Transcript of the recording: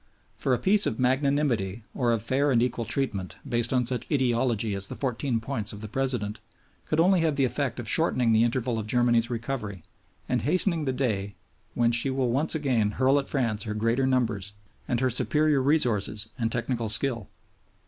For a Peace of magnanimity or of fair and equal treatment, based on such "ideology" as the Fourteen Points of the President, could only have the effect of shortening the interval of Germany's recovery and hastening the day when she will once again hurl at France her greater numbers and her superior resources and technical skill.